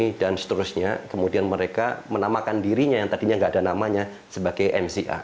ini dan seterusnya kemudian mereka menamakan dirinya yang tadinya nggak ada namanya sebagai mca